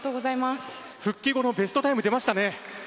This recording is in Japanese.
復帰後のベストタイム出ましたね。